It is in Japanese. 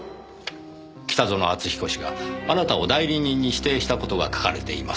北薗篤彦氏があなたを代理人に指定した事が書かれています。